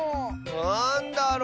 なんだろ？